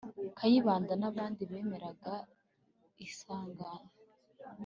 kayibanda n' abandi bemeraga isaranganya